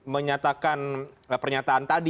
menyatakan pernyataan tadi